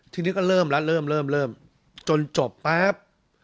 ทีนี้ก็เริ่มแล้วเริ่มเริ่มจนจบแป๊บ